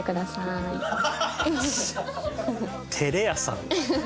照れ屋さん。